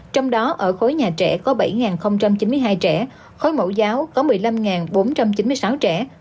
hai năm trăm tám mươi tám trong đó ở khối nhà trẻ có bảy chín mươi hai trẻ khối mẫu giáo có một mươi năm bốn trăm chín mươi sáu trẻ